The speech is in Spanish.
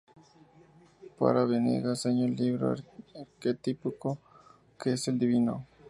Para Venegas hay un libro arquetípico que es el divino.